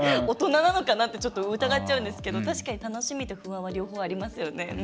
大人なのかなってちょっと疑っちゃうんですけど確かに楽しみと不安は両方ありますよね。